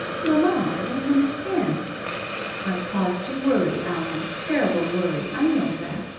Mamma, I don't understand." I've caused you worry, Alma — ^terrible worry. I know that.